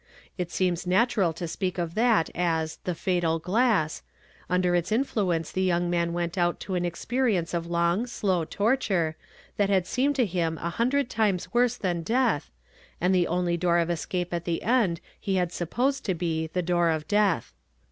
Jt seems natural to speak of that as "the fatal glass;" under its influ enee the young man went out to an experience of long, slow torture, that had seenunl to him a hun dred times Avorse than deatli, and the only door of eseape at the end he had supposed to be the door of death.